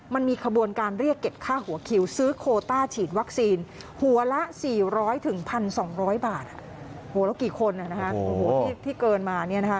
มันมีขบวนการเรียกเก็บค่าหัวคิวซื้อโคต้าฉีดวัคซีนหัวละ๔๐๐๑๒๐๐บาทหัวเรากี่คนที่เกินมา